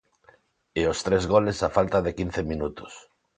E os tres goles a falta de quince minutos.